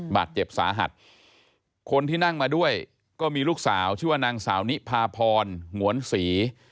บาดเจ็บสาหัสคนที่นั่งมาด้วยก็มีลูกสาวชื่อว่านางสาวนิพาพรหงวนศรี